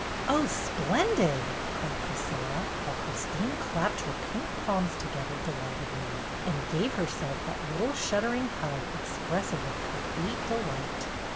"Oh, splendid !" cried Priscilla, while Chris 1 86 BETTY BAIRD'S GOLDEN YEAR tine clapped her pink palms together delight edly, and gave herself that little shuddering hug expressive of complete delight.